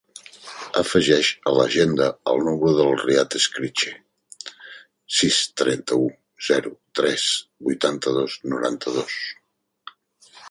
Afegeix a l'agenda el número del Riad Escriche: sis, trenta-u, zero, tres, vuitanta-dos, noranta-dos.